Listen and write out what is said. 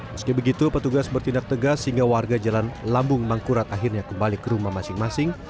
meski begitu petugas bertindak tegas sehingga warga jalan lambung mangkurat akhirnya kembali ke rumah masing masing